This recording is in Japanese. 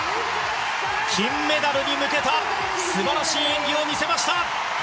金メダルに向けた素晴らしい演技を見せました！